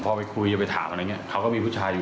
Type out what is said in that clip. ถีบอยู่ร้านครับครับ